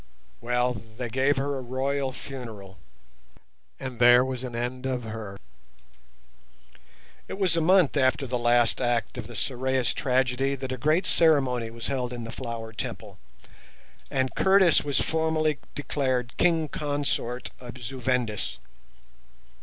Well, they gave her a royal funeral, and there was an end of her. It was a month after the last act of the Sorais tragedy that a great ceremony was held in the Flower Temple, and Curtis was formally declared King Consort of Zu Vendis.